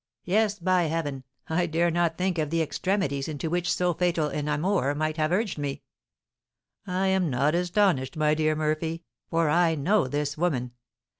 Yes, by heaven! I dare not think of the extremities into which so fatal an amour might have urged me." "I am not astonished, my dear Murphy, for I know this woman.